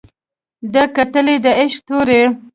ده کتلى د عشق تورى